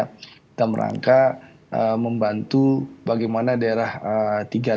kita merangka membantu bagaimana daerah tiga